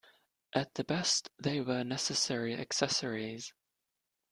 At the best, they were necessary accessories.